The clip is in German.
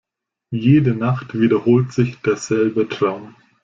Jede Nacht wiederholt sich derselbe Traum.